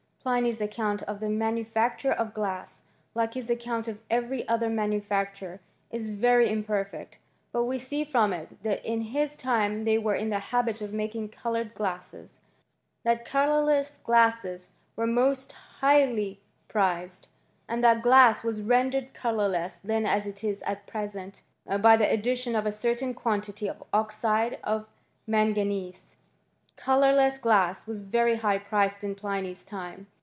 Pliny's account of the manufacture of glass/ like his account of every other manufacture, is very imper* feet : but we see from it that in his time they were in the habit of making coloured glasses ; that colourless glasses were most highly prized, and that glass was rendered colourless ^cn as it is at present, by the addition of a certain quantity of oxide of manganese. Colourless glass was very high priced in Pliny's time.